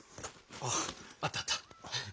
あああったあった！